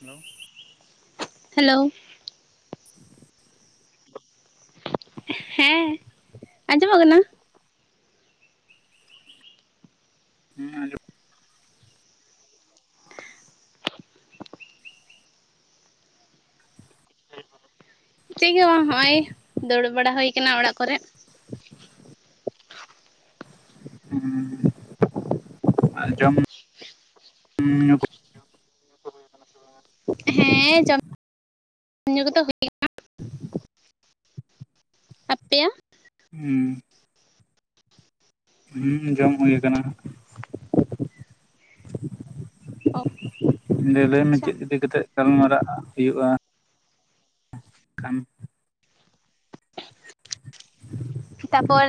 Hello hello ᱦᱮᱸ ᱟᱸᱡᱚᱢᱚᱜ ᱠᱟᱱᱟ? ᱦᱮᱸ ᱟᱸᱡᱚᱢ ᱪᱮᱫ ᱜᱮ ᱵᱟᱝ, ᱦᱚᱜ ᱚᱭ ᱫᱩᱲᱩᱵ ᱵᱟᱲᱟ ᱦᱩᱭ ᱠᱟᱱᱟ ᱚᱲᱟᱜ ᱠᱚᱨᱮ᱾ ᱦᱩᱸ ᱟᱸᱡᱚᱢ [unintelligible] ᱦᱮᱸ ᱦᱮᱸ ᱡᱚᱢ [inaudible] ᱡᱚᱢ ᱧᱩ ᱠᱚᱫᱚ ᱦᱩᱭ [inaudible] ᱟᱯᱮᱭᱟᱜ ᱦᱩᱸ ᱦᱩᱸ ᱡᱚᱢ ᱦᱳᱭ ᱠᱟᱱᱟ᱾ ᱞᱟᱹᱭ ᱢᱮ ᱟᱪᱪᱷᱟ ᱪᱮᱫ ᱤᱫᱤ ᱠᱟᱛᱮᱫ ᱜᱟᱞᱢᱟᱨᱟᱜ ᱦᱩᱭᱩᱜᱼᱟ, ᱠᱷᱟᱱ [inaudible] ᱛᱟᱯᱚᱨ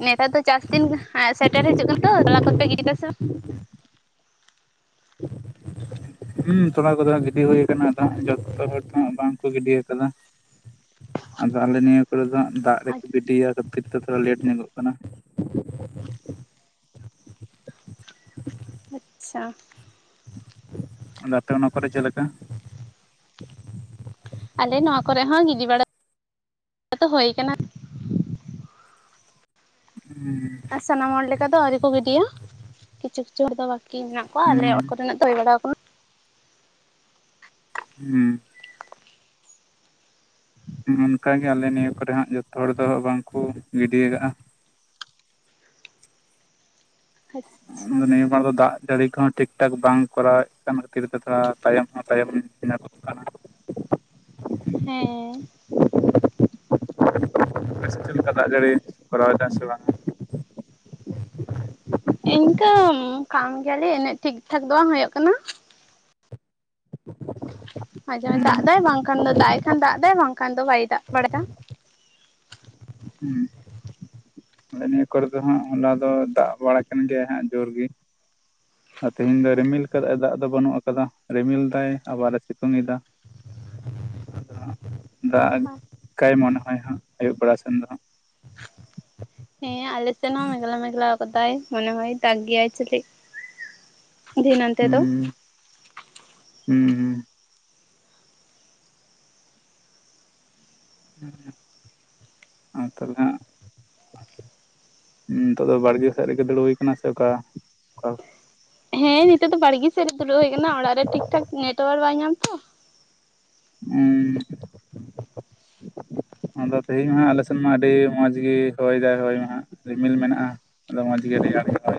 ᱱᱮᱛᱟᱨ ᱫᱚ ᱪᱟᱥ ᱫᱤᱱ ᱥᱮᱴᱮᱨ ᱦᱤᱡᱩᱜ ᱠᱟᱱ ᱛᱚ, ᱛᱚᱞᱟ ᱠᱚ ᱯᱮ ᱜᱤᱰᱤ ᱠᱮᱫᱟ ᱥᱮ ᱵᱟᱝ? ᱦᱩᱸ ᱛᱚᱞᱟ ᱠᱚᱫᱚ ᱜᱤᱰᱤ ᱦᱩᱭ ᱟᱠᱟᱱᱟ᱾ ᱟᱫᱚ ᱡᱚᱛᱚ ᱦᱚᱲ ᱫᱚ ᱦᱟᱸᱜ ᱵᱟᱝ ᱠᱚ ᱜᱤᱰᱤ ᱟᱠᱟᱫᱟ᱾ ᱟᱫᱚ ᱟᱞᱮ ᱱᱤᱭᱟᱹ ᱠᱚᱨᱮ ᱫᱚ ᱫᱟᱜ ᱵᱟᱝ ᱨᱮᱠᱚ ᱜᱤᱰᱤᱭᱟ ᱠᱷᱟᱹᱛᱤᱨ ᱛᱮ ᱛᱷᱚᱲᱟ ᱞᱮᱴ ᱧᱚᱜᱚᱜ ᱠᱟᱱᱟ᱾ ᱟᱪᱪᱷᱟ ᱟᱫᱚ ᱟᱯᱮ ᱚᱱᱟ ᱠᱚᱨᱮ ᱪᱮᱫ ᱞᱮᱠᱟ? ᱟᱞᱮ ᱱᱚᱣᱟ ᱠᱚᱨᱮ ᱦᱚᱸ ᱜᱤᱰᱤ ᱵᱟᱲᱟ ᱫᱚ ᱦᱳᱭ ᱠᱟᱱᱟ᱾ ᱦᱩᱸ ᱟᱨ ᱥᱟᱱᱟᱢ ᱦᱚᱲ ᱞᱮᱠᱟ ᱫᱚ ᱟᱹᱣᱨᱤ ᱠᱚ ᱜᱤᱰᱤᱭᱟ ᱾ ᱠᱤᱪᱷᱩ ᱠᱤᱪᱷᱩ ᱦᱚᱲ ᱫᱚ ᱵᱟᱹᱠᱤ ᱢᱮᱱᱟᱜᱼᱼ ᱠᱚᱣᱟ ᱟᱞᱮ ᱦᱩᱸ ᱠᱚ ᱨᱮᱱᱟᱜ ᱫᱚ ᱦᱳᱭ ᱵᱟᱲᱟ ᱦᱩᱸ ᱚᱱᱠᱟᱜᱮ ᱟᱞᱮ ᱱᱤᱭᱟᱹ ᱠᱚᱨᱮ ᱦᱟᱸᱜ ᱡᱚᱛᱚ ᱦᱚᱲ ᱫᱚ ᱵᱟᱝᱠᱚ ᱜᱤᱰᱤ ᱟᱠᱟᱜᱼᱟ᱾ ᱟᱪᱪᱷᱟ ᱱᱤᱭᱟᱹ ᱵᱟᱨ ᱫᱚ ᱫᱟᱜ ᱡᱟᱹᱲᱤ ᱠᱚᱦᱚᱸ ᱴᱷᱤᱠ ᱴᱷᱟᱠ ᱵᱟᱝ ᱠᱚᱨᱟᱣ ᱮᱫ ᱠᱟᱱ ᱠᱷᱟᱹᱛᱤᱨ ᱛᱮ, ᱛᱷᱚᱲᱟ ᱛᱟᱭᱚᱢ ᱦᱚᱸ ᱛᱟᱭᱚᱢ ᱮᱱᱟ᱾ [unintelligible] ᱦᱮᱸ ᱟᱯᱮ ᱥᱮ ᱪᱮᱫ ᱞᱮᱠᱟ ᱫᱟᱜ ᱡᱟᱹᱲᱤ ᱠᱚᱨᱟᱣ ᱮᱫᱟ ᱥᱮ ᱵᱟᱝ᱾ ᱤᱱᱠᱟᱹ ᱠᱷᱟᱢ ᱠᱷᱮᱭᱟᱞᱤ ᱤᱱᱟᱹ ᱴᱷᱤᱠᱴᱷᱟᱠ ᱫᱚ ᱵᱟᱝ ᱦᱳᱭᱳᱜ ᱠᱟᱱᱟ᱾ [inaudible] ᱫᱚᱢᱮ ᱫᱟᱜ ᱦᱩᱸ ᱮᱜᱟᱭ ᱵᱟᱝᱠᱷᱟᱱ ᱫᱚ ᱫᱟᱜ ᱮ ᱠᱷᱟᱱ ᱫᱟᱜ ᱮᱫᱟᱭ ᱵᱟᱝᱠᱷᱟᱱ ᱫᱚ ᱵᱟᱭ ᱫᱟᱜ ᱵᱟᱲᱟᱭᱼᱟ᱾ ᱦᱩᱸ ᱟᱞᱮ ᱱᱤᱭᱟᱹ ᱠᱚᱨᱮ ᱫᱚ ᱦᱟᱸᱜ, ᱦᱚᱞᱟ ᱫᱚ ᱫᱟᱜ ᱵᱟᱲᱟ ᱠᱟᱱ ᱜᱮᱭᱟ ᱦᱟᱸᱜ ᱡᱳᱨ ᱜᱮ᱾ ᱛᱮᱦᱮᱧ ᱫᱚ ᱨᱤᱢᱤᱞ ᱟᱠᱟᱫᱟᱭ ᱫᱟᱜ ᱫᱚ ᱵᱟᱹᱱᱩᱜ ᱟᱠᱟᱫᱟ᱾ ᱨᱤᱢᱤᱞ ᱫᱟᱭ ᱟᱵᱟᱨ ᱮ ᱥᱤᱛᱩᱝ ᱮᱫᱟ᱾ [inaudible] ᱟᱫᱚ, ᱫᱟᱜ ᱠᱟᱭ ᱢᱚᱱᱮ ᱦᱚᱭ ᱟᱹᱭᱩᱵ ᱵᱮᱲᱟ ᱥᱮᱱ ᱫᱚ᱾ ᱦᱮᱸ ᱟᱞᱮ ᱥᱮᱱ ᱦᱚᱸ ᱢᱮᱜᱞᱟ ᱢᱮᱜᱞᱟ ᱠᱟᱫᱟᱭ ᱢᱚᱱᱮ ᱦᱚᱭ ᱫᱟᱜ ᱜᱮᱭᱟᱭ ᱥᱮ ᱪᱮᱫ᱾ ᱟᱫᱚ ᱱᱚᱱᱛᱮ ᱫᱚᱼᱼ ᱦᱩᱸ ᱦᱩᱸ ᱟᱸ ᱛᱟᱦᱞᱮ ᱦᱟᱸᱜᱼᱼ ᱱᱤᱛᱚᱜ ᱫᱚ ᱵᱟᱲᱜᱮ ᱥᱮ ᱨᱮᱜᱮ ᱫᱩᱲᱩᱯ ᱦᱳᱭ ᱟᱠᱟᱱᱟ ᱥᱮ ᱚᱠᱟ? ᱚᱠᱟ ᱦᱮᱸ ᱱᱤᱛᱚᱜ ᱫᱚ ᱵᱟᱲᱜᱮ ᱥᱮᱫ ᱨᱮ ᱫᱩᱲᱩᱵ ᱦᱳᱭ ᱟᱠᱟᱱᱟ, ᱚᱲᱟᱜ ᱨᱮ ᱴᱷᱤᱠ ᱴᱷᱟᱠ ᱱᱮᱴᱚᱣᱟᱨᱠ ᱵᱟᱭ ᱧᱟᱢᱟ ᱛᱚ᱾ ᱦᱩᱸ [inaudible] ᱟᱫᱚ ᱛᱮᱦᱮᱧ ᱢᱟ ᱦᱟᱸᱜ ᱟᱞᱮᱥᱱ ᱢᱟ ᱟᱹᱰᱤ ᱢᱚᱸᱡᱽ ᱜᱤ ᱦᱚᱭ ᱫᱟᱭ ᱦᱚᱭ ᱢᱟ ᱦᱟᱜ ᱨᱤᱢᱤᱞ ᱢᱮᱱᱟᱜᱼᱟ ᱾ ᱟᱫᱚ ᱢᱚᱡᱽ ᱜᱮ ᱨᱮᱭᱟᱲ ᱜᱮ ᱦᱚᱭᱼᱼ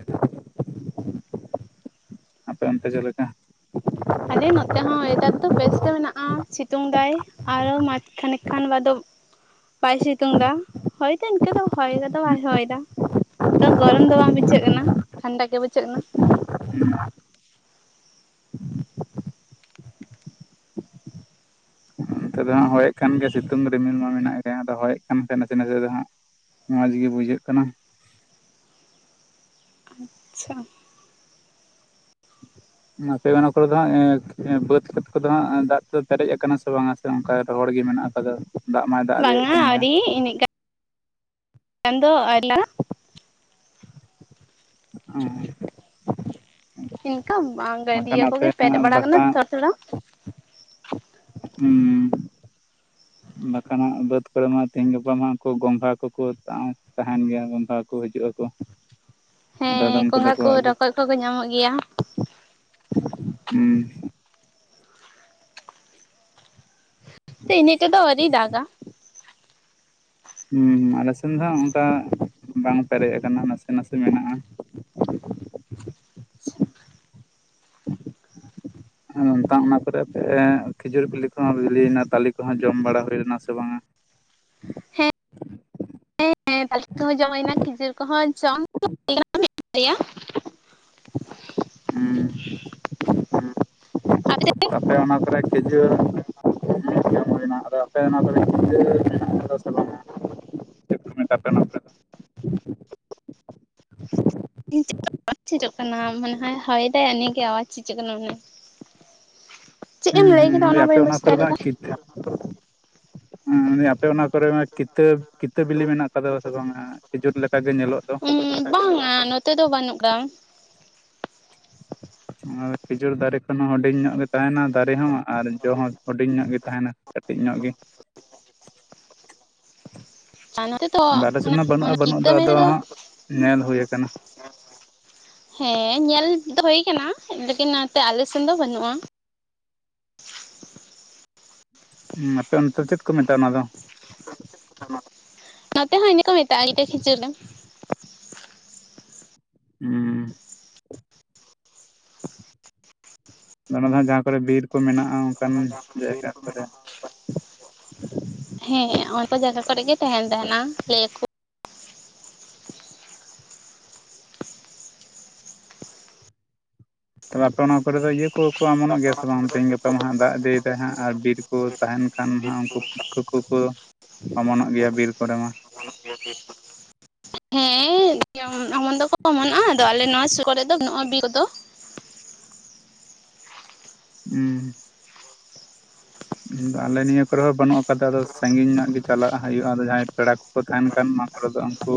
ᱟᱯᱮ ᱚᱱᱛᱮ ᱪᱮᱫ ᱞᱮᱠᱟ? ᱟᱞᱮ ᱱᱚᱛᱮ ᱦᱚᱸ ᱚᱭᱮᱫᱟᱨ ᱫᱚ ᱵᱮᱥ ᱜᱮ ᱢᱮᱱᱟᱜᱼᱟ, ᱥᱤᱛᱩᱝ ᱫᱟᱭ ᱾ ᱟᱨᱚ ᱢᱟᱡ ᱠᱷᱟᱱᱮ ᱠᱷᱟᱱ ᱵᱟᱫᱚᱼᱼ ᱵᱟᱭ ᱥᱤᱛᱩᱝ ᱫᱟ, ᱦᱚᱭ ᱫᱚ ᱤᱱᱠᱟᱹ ᱫᱚ ᱦᱚᱭ ᱠᱚᱫᱚ ᱦᱩᱸ ᱵᱟᱭ ᱦᱚᱭ ᱫᱟ ᱾ ᱛᱚ ᱜᱚᱨᱚᱢ ᱫᱚ ᱵᱟᱝ ᱵᱩᱡᱷᱟᱹᱜ ᱠᱟᱱᱟ ᱴᱷᱟᱱᱰᱟ ᱜᱮ ᱵᱩᱡᱷᱟᱹᱜ ᱠᱟᱱᱟ ᱾ ᱦᱮᱸ [unintelligible] ᱱᱮᱛᱮ ᱫᱚ ᱦᱚᱭᱮᱫ ᱠᱷᱟᱱ ᱜᱮᱭᱟ ᱥᱤᱛᱩᱝ ᱨᱤᱢᱤᱞ ᱢᱟ ᱢᱮᱱᱟᱜ ᱜᱮ, ᱟᱫᱚ ᱦᱚᱭᱮᱫ ᱠᱟᱱ ᱠᱷᱟᱱ ᱱᱟᱥᱮ ᱱᱟᱥᱮ ᱫᱚ ᱦᱟᱸᱜᱼᱼ ᱢᱚᱡᱽ ᱜᱮ ᱵᱩᱡᱷᱟᱹᱜ ᱠᱟᱱᱟ ᱾ ᱟᱪᱪᱷᱟ [inaudible] ᱟᱯᱮ ᱚᱱᱟ ᱠᱚᱨᱮ ᱫᱚ ᱦᱟᱸᱜ ᱵᱟᱹᱫᱽ ᱠᱷᱮᱛ ᱠᱚᱫᱚ ᱦᱟᱸᱜ ᱫᱟᱜ ᱛᱮ ᱯᱮᱨᱮᱡ ᱟᱠᱟᱱᱟ ᱥᱮ ᱵᱟᱝ? ᱥᱮ ᱚᱱᱠᱟ ᱨᱚᱦᱚᱲ ᱜᱮ ᱢᱮᱱᱟᱜ ᱟᱠᱟᱫᱟ, ᱫᱟᱜ ᱢᱟᱭ ᱫᱟᱜ ᱤᱫᱤᱭᱮᱫ ᱠᱟᱱ ᱜᱮᱭᱟ ᱾ ᱮᱜ ᱮᱱᱮᱜ ᱜᱟᱼᱼ ᱪᱟᱸᱫᱚ ᱟᱭᱞᱟᱼᱼ ᱚᱸ ᱤᱱᱠᱟᱹᱵᱟᱝ ᱜᱮ ᱵᱟᱠᱷᱟᱱ ᱜᱟᱹᱰᱟᱹᱭᱟᱹ ᱟᱯᱮ ᱠᱚᱜᱮ ᱯᱮᱨᱮ ᱵᱟᱲᱟ ᱠᱟᱱᱟ ᱵᱟᱠᱟ ᱛᱷᱚᱲᱟ ᱛᱷᱚᱲᱟ ᱾ ᱦᱩᱸ [inaudible] ᱵᱟᱠᱷᱟᱱ ᱦᱟᱸᱜ ᱵᱟᱹᱫᱽ ᱠᱚᱨᱮ ᱢᱟ ᱛᱮᱦᱤᱧ ᱜᱟᱯᱟ ᱢᱟ ᱩᱱᱠᱩ ᱜᱚᱝᱜᱷᱟ ᱠᱚᱠᱚ ᱛᱟᱦᱮᱱ ᱜᱮᱭᱟ ᱜᱚᱝᱜᱷᱟ ᱠᱚ ᱦᱤᱡᱩᱜ ᱟᱠᱚ ᱾ ᱦᱮᱸ ᱜᱚᱸᱜᱷᱟ ᱠᱚ ᱨᱚᱠᱚᱡ ᱠᱚᱠᱚ ᱧᱟᱢᱚᱜ ᱜᱮᱭᱟ ᱾ ᱦᱩᱸ ᱤᱱᱟᱹᱜ ᱛᱮᱫᱚ ᱟᱹᱣᱨᱤ ᱫᱟᱜᱟ ᱾ ᱦᱩᱸ ᱦᱩᱸ ᱟᱞᱮᱥᱱ ᱫᱚ ᱦᱟᱸᱜ ᱚᱱᱠᱟ ᱵᱟᱝ ᱯᱮᱨᱮᱡ ᱟᱠᱟᱱᱟ ᱱᱟᱥᱮ ᱱᱟᱥᱮ ᱢᱮᱱᱟᱜᱼᱟ ᱾ [inaudible] ᱚᱱᱮ ᱚᱝᱠᱟ ᱚᱱᱟ ᱠᱚᱨᱮ ᱠᱷᱤᱡᱩᱨ ᱵᱤᱞᱤ ᱠᱚᱦᱚᱸ ᱵᱤᱞᱤᱭᱮᱱᱟ, ᱛᱟᱞᱤ ᱠᱚᱦᱚᱸ ᱡᱚᱢ ᱵᱟᱲᱟ ᱦᱩᱭ ᱞᱮᱱᱟ ᱥᱮ ᱵᱟᱝᱟ? ᱦᱮᱸ ᱛᱟᱞᱮ ᱠᱚᱦᱚᱸ ᱡᱚᱢ ᱦᱩᱭᱱᱟ ᱠᱷᱤᱡᱩᱨ ᱠᱚᱦᱚᱸ ᱡᱚᱢ ᱦᱩᱭᱮᱱᱟ ᱢᱤᱫ ᱵᱟᱨᱟᱭᱟ ᱾ ᱦᱩᱸ ᱦᱮᱸ [unintelligible] ᱛᱟᱯᱮ ᱚᱱᱟ ᱠᱚᱨᱮ ᱠᱷᱮᱡᱩᱨ ᱦᱩᱸᱼᱼ ᱡᱚᱢ ᱦᱩᱭ ᱱᱟ ᱟᱫᱚ ᱟᱯᱮ ᱚᱱᱟ ᱠᱚᱨᱮᱜ ᱠᱤᱛᱟᱹ ᱢᱮᱱᱟᱜ ᱠᱟᱫᱟ ᱥᱮ ᱵᱟᱝᱟ? ᱫᱚ? ᱪᱮᱡᱚᱜ ᱠᱟᱱᱟ ᱢᱟᱱᱮ ᱦᱚᱭ ᱦᱟᱭᱮᱫᱟᱭ ᱤᱱᱟᱹᱜᱮ ᱟᱣᱟᱡᱽ ᱪᱤᱡᱩᱜ ᱠᱟᱱᱟ, ᱢᱟᱱᱮᱼᱼ ᱪᱮᱫ ᱮᱢ ᱦᱩᱸ ᱞᱟᱹᱭ ᱦᱩᱸ ᱠᱮᱫᱟ ᱢᱮᱱᱫᱟᱹᱧ ᱚᱱᱟ ᱟᱯᱮ ᱵᱟᱹᱧ ᱵᱩᱡᱽ ᱫᱟᱲᱮᱭᱟᱫᱟ ᱾ ᱦᱩᱸ ᱟᱯᱮ ᱚᱱᱟᱯᱼᱼ ᱠᱚᱨᱮ ᱢᱟ ᱠᱤᱛᱟᱹ ᱠᱤᱛᱟᱹᱵᱤᱞᱤ ᱢᱮᱱᱟᱜ ᱠᱟᱫᱟ ᱥᱮ ᱵᱟᱝᱟ, ᱠᱷᱤᱡᱩᱨ ᱞᱮᱠᱟᱜ ᱜᱮ ᱧᱮᱞᱚᱜ ᱫᱚ ᱾ ᱵᱟᱝᱼᱟ ᱱᱚᱛᱮ ᱫᱚ ᱵᱟᱹᱱᱩᱜ ᱠᱟᱫᱟ ᱾ ᱠᱷᱤᱡᱩᱨ ᱫᱟᱨᱮ ᱠᱷᱚᱱ ᱦᱚᱸ ᱦᱩᱰᱤᱧ ᱧᱚᱜ ᱜᱮ ᱛᱟᱦᱮᱱᱟ ᱫᱟᱨᱮ ᱦᱚᱸ ᱟᱨ ᱡᱚ ᱦᱚᱸ ᱾ ᱦᱩᱰᱤᱧ ᱧᱚᱜ ᱜᱮ ᱛᱟᱦᱮᱱᱟ ᱠᱟᱹᱴᱤᱡ ᱧᱚᱜ ᱜᱮ ᱾ ᱱᱚᱛᱮ ᱫᱚ ᱟᱫᱚ ᱟᱞᱮ ᱥᱮᱫ ᱚᱱᱟ ᱢᱟ ᱚᱱᱟ ᱵᱟᱹᱱᱩᱜᱼᱟ ᱵᱟᱹᱱᱩᱜ ᱠᱤᱛᱟᱹ ᱫᱚ ᱢᱮᱱ ᱟᱫᱚ ᱦᱟᱸᱜ ᱧᱮᱞ ᱦᱳᱭ ᱟᱠᱟᱱᱟ, ᱾ ᱦᱮᱸ, ᱧᱮᱞ ᱫᱚ ᱦᱳᱭ ᱟᱠᱟᱱᱟ ᱞᱮᱠᱤᱱ ᱱᱛᱮ ᱟᱞᱮ ᱥᱮᱱ ᱫᱚ ᱵᱟᱹᱱᱩᱜᱼᱟ ᱾ ᱦᱩᱸ ᱟᱯᱮ ᱚᱱᱛᱮ ᱪᱮᱫ ᱠᱚ ᱢᱮᱛᱟᱜᱼᱟ ᱚᱱᱟ ᱫᱚ? ᱱᱚᱛᱮ ᱦᱚᱸ ᱤᱱᱟᱹ ᱠᱚ ᱢᱮᱛᱟᱜᱼᱟ ᱠᱤᱛᱟᱹ ᱠᱷᱤᱡᱩᱨᱢ ᱾ ᱦᱩᱺ ᱾ ᱚᱱᱟ ᱫᱚ ᱡᱟᱦᱟᱸ ᱠᱚᱨᱮ ᱵᱤᱨ ᱠᱚ ᱢᱮᱱᱟᱜᱼᱟ ᱚᱱᱠᱟᱱ ᱡᱟᱭᱜᱟ ᱠᱚᱨᱮ ᱾ ᱦᱮᱸ, ᱚᱱᱠᱟ ᱡᱟᱭᱜᱟ ᱠᱚᱨᱮ ᱜᱮ ᱛᱟᱦᱮᱱ ᱛᱟᱦᱮᱱᱟ ᱞᱟᱹᱭ ᱟᱠᱩ ᱾ ᱛᱚᱵᱮ ᱟᱯᱮ ᱚᱱᱟ ᱠᱚᱨᱮ ᱫᱚ ᱤᱭᱟᱹ ᱠᱚᱠᱚ ᱚᱢᱚᱱᱚᱜ ᱜᱮᱭᱟ ᱥᱮ ᱵᱟᱝ ᱛᱮᱦᱤᱧ ᱜᱟᱯᱟ ᱢᱟ ᱦᱟᱸᱜ ᱫᱟᱜ ᱤᱫᱤᱭᱮᱫᱟᱭ ᱦᱟᱸᱜ ᱟᱨ ᱵᱤᱨ ᱠᱚ, ᱛᱟᱦᱮᱱ ᱠᱷᱟᱱ ᱦᱟᱸᱜ ᱩᱱᱠᱩ ᱯᱩᱴ ᱠᱟᱹ ᱠᱚᱠᱚ ᱚᱢᱚᱱᱚᱜ ᱜᱮᱭᱟ ᱵᱤᱨ ᱠᱚᱨᱮ ᱢᱟ ᱾ ᱜᱟᱱᱚᱜ ᱜᱮᱭᱟ ᱵᱤᱨ ᱠᱚᱨᱮ ᱾ ᱦᱮᱸ-ᱤᱜ ᱡᱮᱚᱱ ᱚᱢᱚᱱ ᱫᱚᱠᱚ ᱚᱢᱚᱱᱚᱜᱼᱟ ᱟᱫᱚ ᱟᱞᱮ ᱱᱚᱣᱟ ᱥᱩᱨ ᱠᱚᱨᱮ ᱨᱮ ᱫᱚ ᱵᱟᱹᱱᱩᱜᱼᱟ ᱵᱤᱨ ᱠᱚᱫᱚ ᱾ ᱦᱩᱸ ᱾ ᱦᱩᱸ, ᱟᱞᱮ ᱱᱤᱭᱟᱹ ᱠᱚᱨᱮ ᱦᱚᱸ ᱵᱟᱹᱱᱩᱜ ᱟᱠᱟᱫᱟ ᱟᱫᱚ ᱥᱟᱺᱜᱤᱧ ᱧᱚᱜ ᱜᱮ ᱪᱟᱞᱟᱜ ᱦᱳᱭᱳᱜᱼᱟ ᱡᱟᱦᱟᱸᱭ ᱯᱮᱲᱟ ᱠ ᱠᱚ ᱛᱟᱦᱮᱱ ᱠᱷᱟᱱ ᱱᱚᱣᱟ ᱠᱚᱨᱮ ᱫᱚ ᱩᱱᱠᱩ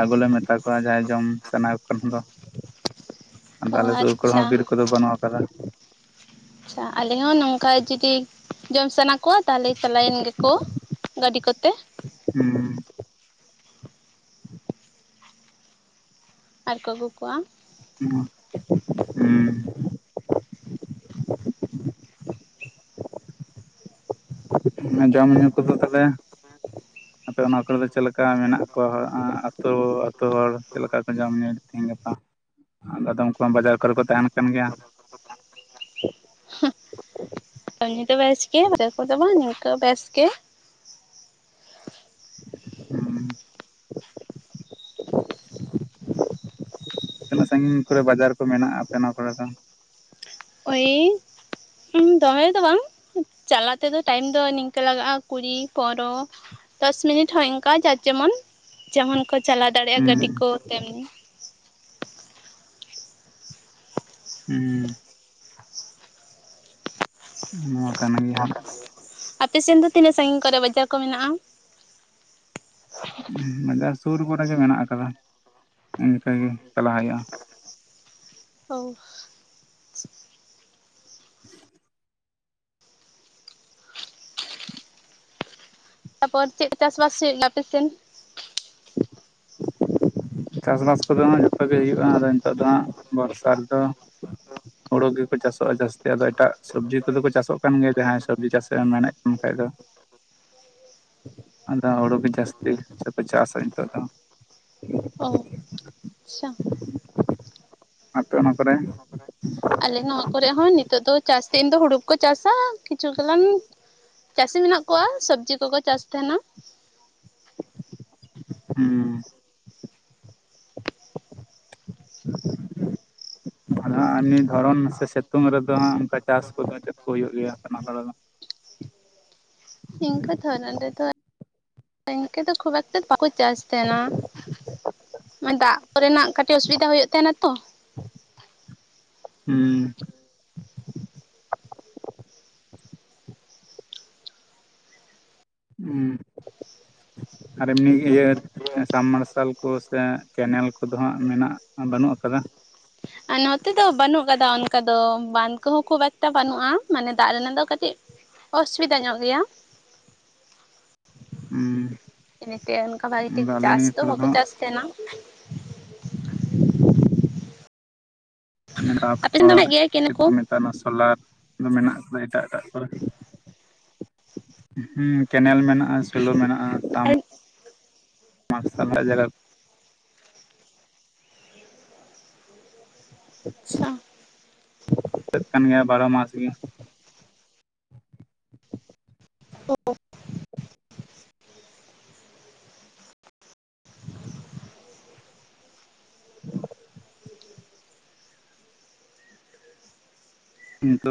ᱟᱹᱜᱩᱞᱮ ᱢᱮᱛᱟ ᱠᱚᱣᱟ ᱡᱟᱦᱟᱸᱭ ᱡᱚᱢ ᱥᱟᱱᱟ ᱠᱚ ᱠᱷᱟᱱ ᱫᱚ ᱾ ᱟᱫᱚ ᱚ ᱟᱞᱮ ᱥᱳᱨ ᱠᱚᱨᱮ ᱟᱪᱪᱷᱟ ᱦᱚᱸ ᱵᱤᱨ ᱠᱚᱫᱚ ᱵᱟᱹᱱᱩᱜ ᱟᱠᱟᱫᱟ ᱾ ᱟᱪ-ᱪᱷᱟ, ᱟᱞᱮ ᱦᱚᱸ ᱱᱚᱝᱠᱟ ᱡᱩᱫᱤ ᱡᱚᱢ ᱥᱟᱱᱟ ᱠᱚᱣᱟ ᱛᱟᱞᱦᱮ ᱪᱟᱞᱟᱭᱮᱱ ᱜᱮᱠᱚ᱾ ᱴᱷᱚᱜ, ᱜᱟᱹᱰᱤ ᱠᱚᱛᱮ ᱾ ᱠᱷᱚᱴᱚ-ᱠᱷᱚᱴ ᱦᱩᱸ ᱾ ᱟᱡᱠᱚ ᱟᱹᱜᱩ ᱠᱚᱣᱟ ᱾ ᱩᱸ-ᱠᱷᱚᱴ-ᱠᱷᱚᱴᱚ-ᱠᱷᱚᱴ-ᱦᱩᱹ ᱾ ᱡᱚᱢᱧᱩ ᱠᱚᱫᱚ ᱛᱟᱞᱦᱮ? ᱦ [inaudible] ᱴᱤᱡ-ᱴᱤᱡ ᱯᱮ ᱚᱱᱟ ᱟᱛᱳ ᱨᱮ ᱪᱮᱫ ᱞᱮᱠᱟ ᱢᱮᱱᱟᱜ ᱠᱚᱣᱟ ᱟᱹᱛᱩ ᱟᱹᱛᱩ ᱦᱚᱲ ᱪᱮᱫ ᱞᱮᱠᱟ ᱠᱚ ᱡᱚᱢᱧᱩᱭᱮᱫ ᱛᱮᱦᱮᱧ ᱜᱟᱯᱟ? ᱵᱮᱫᱚᱢ ᱠᱚᱢ ᱵᱟᱡᱟᱨ ᱠᱚᱨᱮ ᱠᱚ ᱛᱟᱦᱮᱱ ᱠᱟᱱ ᱜᱮᱭᱟ ᱾ ᱩᱱᱤ ᱫᱚ ᱵᱟᱭ ᱪᱠᱟᱹᱭᱟ ᱨᱮᱥᱚ ᱫᱚ ᱵᱟᱝ ᱱᱤᱝᱠᱟᱹ ᱵᱮᱥ ᱜᱮ ᱾ [inaudible] ᱴᱷᱚᱜ-ᱴᱷᱚᱜ, ᱴᱷᱚᱜ ᱾ ᱛᱤᱱᱟᱹᱜ ᱥᱟᱺᱜᱤᱧ ᱠᱚᱨᱮ ᱵᱟᱡᱟᱨ ᱠᱚ ᱢᱮᱱᱟᱜᱼᱟ ᱟᱯᱮ ᱚᱱᱟ ᱠᱚᱨᱮ ᱫᱚ? ᱳᱭ-ᱤᱻ ᱾ ᱩᱧ, ᱫᱚᱢᱮ ᱫᱚ ᱵᱟᱝ ᱪᱟᱞᱟ ᱛᱮᱫᱚ ᱴᱟᱭᱤᱢ ᱫᱚ ᱱᱤᱝᱠᱟᱹ ᱞᱟᱜᱟᱜᱼᱟ ᱠᱩᱲᱤ ᱯᱚᱱᱨᱚ ᱾ ᱫᱚᱥ ᱢᱤᱱᱤᱴ ᱦᱚᱸ ᱤᱝᱠᱟ ᱡᱟᱨ ᱡᱮᱢᱚᱱ, ᱡᱮᱢᱚᱱ ᱠᱚ ᱪᱟᱞᱟᱣ ᱫᱟᱲᱮᱭᱟᱜᱼᱟ ᱜᱟᱹᱰᱤ ᱦᱩᱸ ᱠᱚ ᱛᱮᱹᱢᱱᱤ ᱾ ᱦᱩ, ᱺ ᱾ ᱱᱚᱣᱟ ᱠᱟᱱ ᱜᱮ ᱦᱟᱸᱜ ᱾ ᱟᱯᱮ ᱥᱮᱱ ᱫᱚ ᱛᱤᱱᱟᱹᱜ ᱥᱟᱺᱜᱤᱧ ᱠᱚᱨᱮ ᱵᱟᱡᱟᱨ ᱠᱚ ᱢᱮᱱᱟᱜᱼᱟ? ᱤᱦᱚ, ᱵᱟᱡᱟᱨ ᱥᱩᱨ ᱠᱚᱨᱮ ᱜᱮ ᱢᱮᱱᱟᱜ ᱠᱟᱫᱟ ᱤᱱᱠᱟᱹ ᱜᱮ ᱪᱟᱞᱟᱜ ᱦᱳᱭᱳᱜᱼᱟ ᱾ ᱦᱟᱹ-ᱩᱥ-ᱥ ᱾ ᱛᱟᱯᱚᱨ ᱪᱮᱫ ᱪᱟᱥᱵᱟᱥ ᱦᱩᱭᱩᱜᱼᱟ ᱟᱯᱮᱥᱮᱱ? ᱪᱟᱥᱵᱟᱥ ᱠᱚᱫᱚ ᱡᱚᱛᱚ ᱜᱮ ᱦᱩᱭᱩᱜᱼᱟ ᱟᱫᱚ ᱱᱤᱛᱚᱜ ᱫᱚ ᱦᱟᱸᱜ ᱵᱚᱨᱥᱟ ᱨᱮᱫᱚ ᱦᱳᱲᱳ ᱜᱮᱠᱚ ᱪᱟᱥᱚᱜᱼᱟ ᱡᱟᱹᱥᱛᱤ ᱟᱫᱚ ᱮᱴᱟᱜ ᱥᱚᱵᱽᱡᱤ ᱠᱚᱫᱚ ᱠᱚ ᱪᱟᱥᱚᱜ ᱠᱟᱱ ᱜᱮᱭᱟ ᱡᱟᱦᱟᱸᱭ ᱥᱚᱵᱽᱡᱤ ᱪᱟᱥ ᱨᱮ ᱢᱮᱱᱮᱫ ᱠᱟᱱ ᱠᱷᱟᱡ ᱫᱚ ᱾ ᱦ [inaudible] ᱰᱷᱮᱠᱚᱡ-ᱥᱮ ᱾ ᱟᱫᱚ ᱦᱳᱲᱳ ᱜᱮ ᱡᱟᱹᱥᱛᱤ ᱥᱮᱯᱮ ᱪᱟᱥᱟ ᱱᱤᱛᱚᱜ ᱫᱚ? ᱚ ᱟᱪᱪᱷᱟ ᱟᱯᱮ ᱚᱱᱟ ᱠᱚᱨᱮ? ᱟᱞᱮ ᱱᱚᱣᱟ ᱠᱚᱨᱮᱜ ᱦᱚᱸ ᱱᱤᱛᱚᱜ ᱫᱚ ᱪᱟᱥᱛᱮᱱ ᱫᱚ ᱦᱳᱲᱳᱠᱚ ᱪᱟᱥᱟ ᱠᱤᱪᱷᱩ ᱜᱚᱞᱟᱱ ᱪᱟᱹᱥᱤ ᱢᱮᱱᱟᱜ ᱠᱚᱣᱟ ᱥᱚᱵᱽᱡᱤ ᱠᱚᱠᱚ ᱪᱟᱥ ᱛᱟᱦᱮᱱᱟ ᱾ ᱩᱺ ᱾ ᱟᱫᱚ ᱦᱟᱸᱜ ᱱᱤᱭᱟᱹᱫᱷᱚᱨᱚᱱ ᱥᱮ ᱥᱤᱛᱩᱝ ᱨᱮᱫᱚ ᱦᱟᱜ ᱚᱱᱠᱟ ᱪᱟᱥ ᱠᱚᱫᱚ ᱪᱮᱫ ᱠᱚ ᱦᱩᱭᱩᱜ ᱜᱮᱭᱟ ᱚᱱᱟ ᱠᱚᱨᱮ ᱫᱚ? ᱤᱱᱠᱟᱹ ᱫᱷᱚᱨᱚᱱ ᱨᱮᱫᱚ, ᱤᱱᱠᱟᱹ ᱫᱚ ᱠᱷᱩᱵ ᱮᱠᱴᱟ ᱵᱟᱠᱚ ᱪᱟᱥ ᱛᱟᱦᱮᱱᱟ᱾ ᱢᱟᱱᱮ ᱫᱟᱜ ᱠᱚᱨᱮᱱᱟᱜ ᱠᱟᱹᱴᱤᱡ ᱚᱥᱩᱵᱤᱫᱟ ᱦᱩᱭᱩᱜ ᱛᱟᱦᱮᱱᱟ ᱛᱚ᱾ ᱦᱩᱸ᱾ ᱦᱩᱸ, ᱟᱨ ᱮᱢᱱᱤ ᱤᱭᱟᱹ ᱥᱟᱢ ᱢᱟᱨᱥᱟᱞ ᱠᱚ ᱥᱮ ᱠᱮᱱᱮᱞ ᱠᱚᱫᱚ ᱦᱟᱸᱜ ᱢᱮᱱᱟᱜ ᱵᱟᱹᱱᱩᱜ ᱟᱠᱟᱫᱟ᱾ ᱟᱨ ᱱᱚᱛᱮ ᱫᱚ ᱵᱟᱹᱱᱩᱜ ᱠᱟᱫᱟ ᱚᱱᱠᱟ ᱫᱚ ᱵᱟᱸᱫᱷ ᱠᱚᱦᱚᱸ ᱠᱷᱩᱵ ᱮᱠᱴᱟ ᱵᱟᱹᱱᱩᱜᱼᱟ ᱢᱟᱱᱮ ᱫᱟᱜ ᱨᱮᱱᱟᱜ ᱫᱚ ᱠᱟᱹᱴᱤᱡ ᱚᱥᱩᱵᱤᱫᱟ ᱧᱚᱜ ᱜᱮᱭᱟ᱾ ᱦᱩᱸ᱾ ᱤᱱᱟᱹᱛᱮ ᱚᱱᱠᱟ ᱵᱷᱟᱜᱤ ᱴᱷᱤᱠ ᱟᱫᱚ ᱟᱞᱮ ᱪᱟᱥ ᱱᱤᱭᱟᱹ ᱫᱚ ᱠᱚᱨᱮ ᱵᱟᱠᱚ ᱪᱟᱥ ᱛᱟᱦᱮᱱᱟ᱾ ᱟᱯᱮ ᱥᱮᱱ ᱫᱚ ᱛᱟᱨᱯᱚᱨ ᱢᱮᱱᱟᱜ ᱜᱮᱭᱟ ᱠᱮᱱᱮ ᱪᱮᱫ ᱠᱚ ᱢᱮᱛᱟᱜ ᱚᱱᱟ ᱥᱳᱞᱟᱨ ᱫᱚ ᱢᱮᱱᱟᱜ ᱠᱟᱫᱟ ᱮᱴᱟᱜ ᱮᱴᱟᱜ ᱠᱚᱨᱮ? ᱦᱮᱸ ᱠᱮᱱᱮᱞ ᱢᱮᱱᱟᱜᱼᱟ ᱥᱮᱞᱳ ᱢᱮᱱᱟᱜᱼᱟ ᱥᱟᱢ [inaudible] ᱢᱟᱨᱥᱟᱞ ᱨᱮᱱᱟᱜ ᱡᱟᱜᱟ [unintelligible] ᱟᱪᱪᱷᱟ [unintelligible] ᱠᱟᱱ ᱜᱮᱭᱟ ᱵᱟᱨᱚ ᱢᱟᱥ ᱜᱮ᱾ [unintelligible] ᱦᱤᱸ ᱛᱚ᱾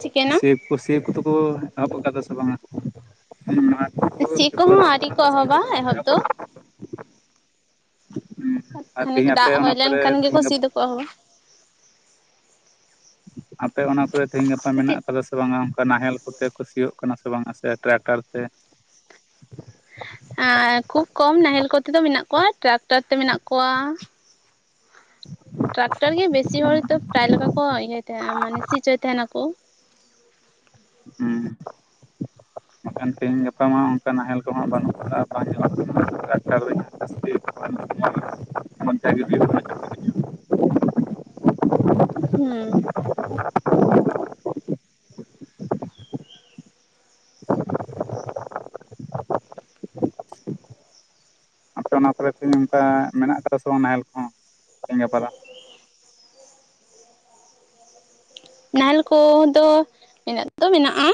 ᱪᱤᱠᱟᱹᱭᱮᱱᱟ ᱥᱮᱵᱽ ᱠᱚ ᱥᱮᱵᱽ ᱠᱚᱫᱚ ᱠᱚ ᱮᱦᱚᱵ ᱟᱠᱟᱫᱟ ᱥᱮ ᱵᱟᱝᱟ [unintelligible] ᱥᱤ ᱵᱟᱹᱫᱽ ᱠᱚᱦᱚᱸ ᱟᱨᱤ ᱠᱚ ᱥᱤ ᱮᱦᱚᱵᱟ ᱠᱚᱫᱚ ᱠᱚ ᱮᱦᱚᱵ ᱫᱚ᱾ ᱟᱠᱟᱫᱟ ᱦᱩᱸ ᱟᱨ ᱠᱷᱟᱹᱱᱤᱠ ᱛᱮᱦᱤᱧ ᱫᱟᱜ ᱟᱯᱮ ᱦᱩᱭ ᱚᱱᱟ ᱞᱮᱱ ᱠᱷᱟᱱ ᱠᱚᱨᱮ ᱜᱮᱠᱚ ᱛᱮᱦᱤᱧ ᱥᱤ ᱫᱚᱠᱚ ᱮᱦᱚᱵᱟ᱾ ᱟᱯᱮ ᱚᱱᱟ ᱠᱚᱨᱮ ᱛᱮᱦᱤᱧ ᱜᱟᱯᱟ ᱢᱮᱱᱟᱜ ᱠᱟᱹᱴᱤᱡ ᱟᱠᱟᱫᱟ ᱥᱮ ᱵᱟᱝᱟ ᱚᱱᱠᱟ ᱱᱟᱦᱮᱞ ᱠᱚᱛᱮ ᱠᱚ ᱥᱤᱭᱳᱜ ᱠᱟᱱᱟ ᱥᱮ ᱵᱟᱝ-ᱟ ᱥᱮ ᱴᱨᱟᱠᱴᱟᱨ ᱛᱮ? ᱮᱻ ᱠᱷᱩᱵ ᱠᱚᱢ ᱱᱟᱦᱮᱞ ᱠᱚᱛᱮ ᱫᱚ ᱢᱮᱱᱟᱜ ᱠᱚᱣᱟ ᱴᱨᱟᱠᱴᱟᱨ ᱛᱮ ᱢᱮᱱᱟᱜ ᱠᱚᱣᱟ᱾ ᱴᱨᱟᱠᱴᱟᱨ ᱜᱮ ᱵᱮᱥᱤ ᱦᱚᱲ ᱫᱚ ᱯᱨᱟᱭ ᱞᱮᱠᱟ ᱠᱚ ᱤᱭᱟᱹᱭ ᱛᱟᱦᱮᱸᱱᱟ ᱢᱟᱱᱮ ᱥᱤᱪᱚᱭ ᱛᱟᱦᱮᱸᱱᱟᱠᱚ᱾ ᱦᱩᱸ᱾ [inaudible] ᱠᱷᱟᱱ ᱛᱮᱦᱮᱧ ᱜᱟᱯᱟ ᱚᱱᱠᱟ ᱱᱟᱦᱮᱞ ᱠᱚᱦᱚᱸ ᱵᱟᱹᱱᱩᱜ ᱟᱠᱟᱟᱜᱼᱟ ᱵᱟᱝ ᱧᱮᱞᱚᱜ ᱠᱟᱱᱟ ᱰᱟᱠᱴᱟᱨ ᱡᱟᱹᱥᱛᱤ [unintelligible] ᱦᱩᱸ᱾ ᱟᱯᱮ ᱚᱱᱟ ᱠᱚᱨᱮ ᱛᱮᱦᱮᱧ ᱚᱱᱠᱟ ᱢᱮᱱᱟᱜ ᱠᱟᱫᱟ ᱥᱮ ᱵᱟᱝ-ᱟ ᱱᱟᱦᱮᱞ ᱠᱚᱦᱚᱸ, ᱛᱮᱦᱸᱧ ᱜᱟᱯᱟ ᱫᱚ? ᱱᱟᱦᱮᱞ ᱠᱚᱫᱚ ᱢᱮᱱᱟᱜ ᱫᱚ ᱢᱮᱱᱟᱜ-ᱟ᱾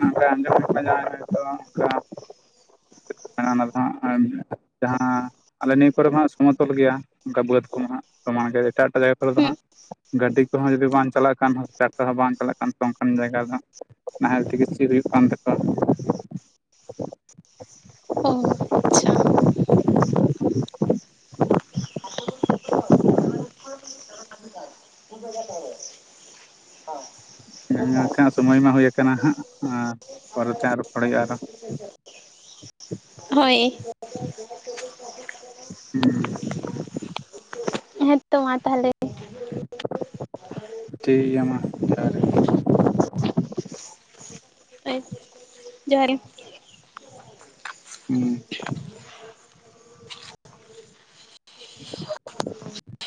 ᱱᱚᱝᱠᱟ ᱟᱸᱡᱚᱢᱚ ᱠᱟᱱᱟ ᱦᱳᱭᱛᱳ ᱚᱱᱠᱟ [unintelligible] ᱚᱱᱟ ᱫᱚ ᱦᱟᱸᱜ [unintelligible] ᱡᱟᱦᱟᱸ ᱟᱞᱮ ᱱᱤᱭᱟᱹ ᱠᱚᱨᱮ ᱫᱚ ᱦᱟᱜ ᱥᱚᱢᱚᱛᱚᱞ ᱜᱮᱭᱟ ᱚᱱᱠᱟ ᱵᱟᱹᱫᱽ ᱠᱚᱸ ᱥᱚᱢᱟᱱ ᱜᱮᱭᱟ ᱮᱴᱟᱜ ᱮᱴᱟᱜ ᱡᱟᱭᱜᱟ ᱠᱚᱨᱮ ᱫᱚ ᱦᱩᱸ ᱦᱟᱸᱜ ᱜᱟᱹᱰᱤ ᱠᱚᱦᱚᱸ ᱡᱩᱫᱤ ᱵᱟᱝ ᱪᱟᱞᱟᱜ ᱠᱷᱟᱱ ᱴᱨᱟᱠᱴᱟᱨ ᱦᱚᱸ ᱵᱟᱝ ᱪᱟᱞᱟᱜ ᱠᱷᱟᱱ ᱚᱱᱠᱟᱱ ᱡᱟᱭᱜᱟ ᱨᱮ ᱫᱚ ᱦᱟᱸᱜ ᱱᱟᱦᱮᱞ ᱛᱮᱜᱮ ᱥᱤ ᱦᱩᱭᱩᱜ ᱠᱟᱱ ᱛᱟᱠᱚᱣᱟ᱾ ᱚᱻ ᱟᱪᱪᱷᱟ᱾ [unintelligible] ᱧᱮᱞ ᱧᱮᱞ ᱛᱮ ᱦᱟᱜ ᱥᱚᱢᱚᱭ ᱢᱟ ᱦᱩᱭᱟᱠᱟᱱᱟ ᱦᱟᱸᱜ ᱟᱨ ᱯᱚᱨᱮᱛᱮ ᱨᱚᱯᱚᱲ ᱦᱩᱭᱩᱜ-ᱟ ᱟᱨᱦᱚᱸ᱾ [unintelligible] ᱦᱳᱭ᱾ ᱦᱩᱸ᱾ ᱦᱮᱸᱛᱚ ᱢᱟ ᱛᱟᱦᱚᱞᱮ᱾ ᱴᱷᱤᱠ ᱜᱮᱭᱟ ᱢᱟ, ᱡᱚᱦᱟᱨ᱾ ᱡᱚᱦᱟᱨ ᱦᱩᱸ [unintelligible]